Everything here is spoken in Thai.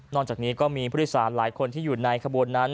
นอกจากนี้หลังจากนี้พฤษฎีสารหลายคนที่อยู่ในขบวนนั้น